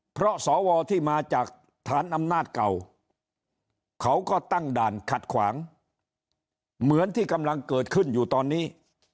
เพราะสวที่มาจากฐานอำนาจเก่าเขาก็ตั้งด่านขัดขวางเหมือนที่กำลังเกิดขึ้นอยู่ตอนนี้